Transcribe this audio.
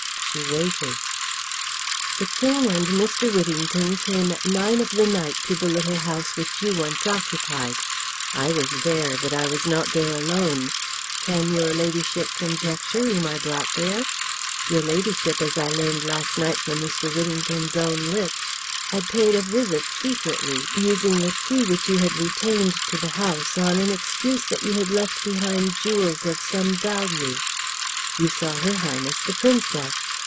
She waited. "The King and Mr. Whittington came at nine of the night to the little house which you once occupied. I was there, but I was not there alone. Can your Ladyship conjecture whom I brought there? Your Ladyship, as I learned last night from Mr. Whittington's own lips, had paid a visit secretly, using a key which you had retained to the house on an excuse that you had left behind jewels of some value. You saw her Highness the Princess.